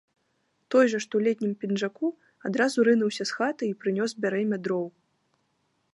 Той жа, што ў летнім пінжаку, адразу рынуўся з хаты і прынёс бярэмя дроў.